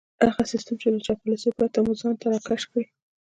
هغه سيستم چې له چاپلوسۍ پرته مو ځان ته راکش کړي.